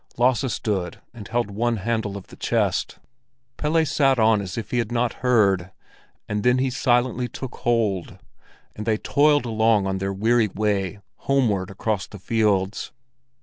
Lasse stood and held one handle of the chest. Pelle sat on as if he had not heard, and then he silently took hold, and they toiled along on their weary way homeward across the fields.